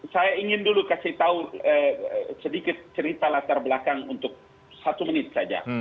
saya ingin dulu kasih tahu sedikit cerita latar belakang untuk satu menit saja